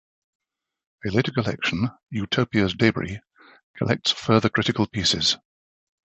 A later collection, "Utopia's Debris", collects further critical pieces.